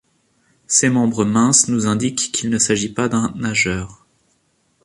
Ses membres minces nous indiquent qu’il ne s’agit pas d’un nageur.